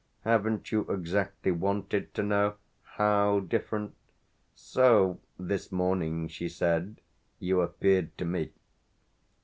"Haven't you exactly wanted to know how different? So this morning," she said, "you appeared to me."